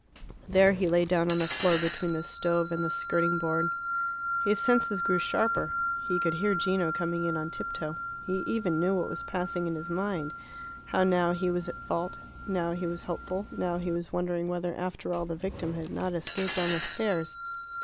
There he lay down on the floor between the stove and the skirting board. His senses grew sharper. He could hear Gino coming in on tiptoe. He even knew what was passing in his mind, how now he was at fault, now he was hopeful, now he was wondering whether after all the victim had not escaped down the stairs.